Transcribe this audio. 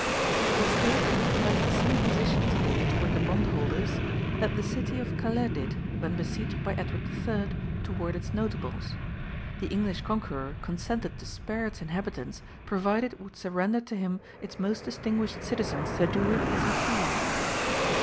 The State occupies the same position to day toward the bondholders that the city of Calais did, when besieged by Edward III, toward its notables. The English conqueror consented to spare its inhabitants, provided it would surrender to him its most distinguished citizens to do with as he pleased.